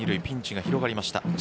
ピンチが広がりました。